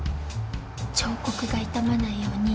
彫刻が傷まないように。